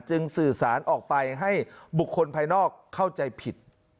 สื่อสารออกไปให้บุคคลภายนอกเข้าใจผิด